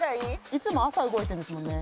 いつも朝動いてるんですもんね。